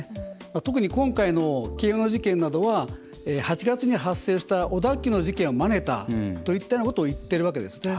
特に今回の京王の事件などは８月に発生した小田急の事件をまねたといったようなことを言ってるわけですね。